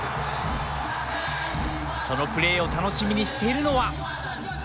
そのプレーを楽しみにしているのは。